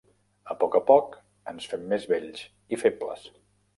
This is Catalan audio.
A poc a poc ens fem més vells i febles.